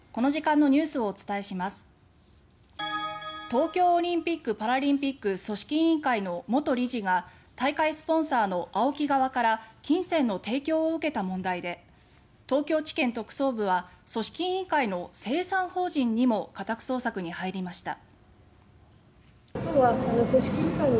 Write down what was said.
東京オリンピック・パラリンピック組織委員会の元理事が大会スポンサーのＡＯＫＩ側から金銭の提供を受けた問題で東京地検特捜部は組織委員会の清算法人にも家宅捜索に入りました。